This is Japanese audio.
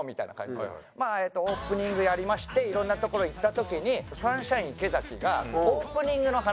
オープニングやりましていろんな所行った時にサンシャイン池崎がオープニングの話。